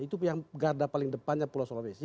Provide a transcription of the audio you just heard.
itu yang garda paling depannya pulau sulawesi